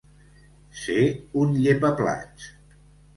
Ser un llepaplats.